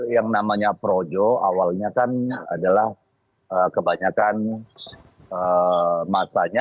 yang namanya projo awalnya tannya adalah kebanyakan hai emas aja adalah teman teman dipede perjuangan